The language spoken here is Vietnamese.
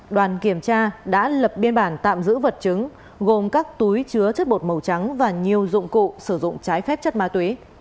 đoàn kiểm tra đã lập biên bản tạm giữ vật chứng gồm các túi chứa chất bột màu trắng và nhiều dụng cụ sử dụng trái phép chất ma túy